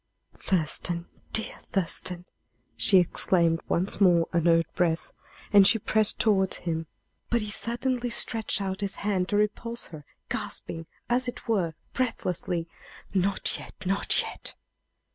"Thurston! dear Thurston!" she exclaimed once more, under her breath, as she pressed toward him. But he suddenly stretched out his hand to repulse her, gasping, as it were, breathlessly, "Not yet not yet!"